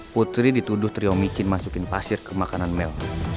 putri dituduh trio micin masukin pasir ke makanan mel